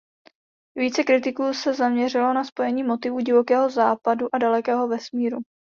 Více kritiků se zaměřilo na spojení motivů Divokého západu a dalekého vesmíru.